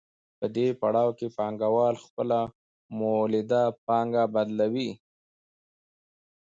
په دې پړاو کې پانګوال خپله مولده پانګه بدلوي